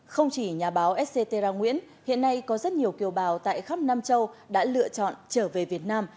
không chỉ nhà báo sc terra nguyễn hiện nay có rất nhiều kiều bào tại khắp nam châu đã lựa chọn trở về việt nam